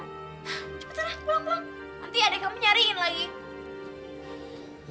cepetanlah pulang pulang nanti ada yang kamu nyariin lagi